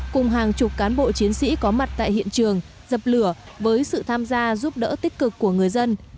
cùng hàng chục cán bộ chiến sĩ có mặt tại hiện trường dập lửa với sự tham gia giúp đỡ tích cực của người dân